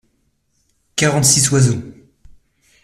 Quarante-six oiseaux.